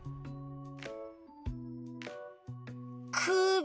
くび！